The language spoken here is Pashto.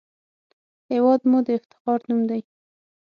هېواد مو د افتخار نوم دی